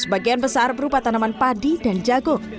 sebagian besar berupa tanaman padi dan jagung